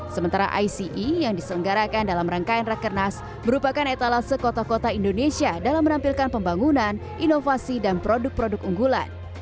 sementara ice yang diselenggarakan dalam rangkaian rakernas merupakan etalase kota kota indonesia dalam menampilkan pembangunan inovasi dan produk produk unggulan